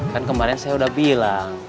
kan kemarin saya sudah bilang